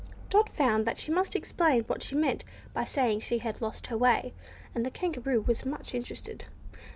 Dot found that she must explain what she meant by saying she had "lost her way," and the Kangaroo was much interested.